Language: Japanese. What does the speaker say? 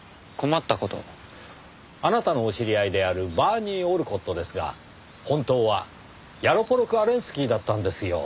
あなたのお知り合いであるバーニー・オルコットですが本当はヤロポロク・アレンスキーだったんですよ。